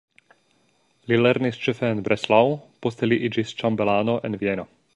Li lernis ĉefe en Breslau, poste li iĝis ĉambelano en Vieno.